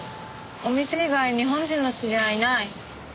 お店以外日本人の知り合いいない。